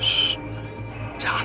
suara apa tuh kang